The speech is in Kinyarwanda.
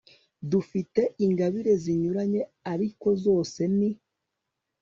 dufite ingabire zinyuranye, ariko zose ni